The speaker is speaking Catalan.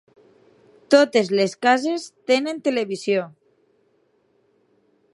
Totes les cases tenen televisió.